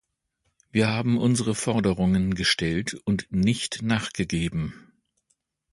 Wir haben unsere Forderungen gestellt und nicht nachgegeben.